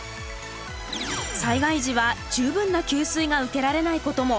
災害時は十分な給水が受けられないことも。